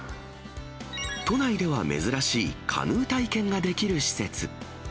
都内では珍しいカヌー体験ができる施設。